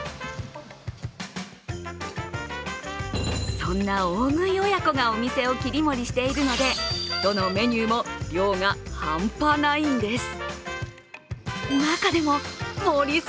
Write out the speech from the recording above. そんな大食い親子がお店を切り盛りしているのでどのメニューも量が半端ないんです。